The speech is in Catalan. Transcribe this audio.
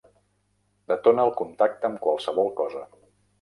Detona al contacte amb qualsevol cosa.